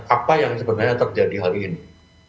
apa yang sebenarnya terjadi hari ini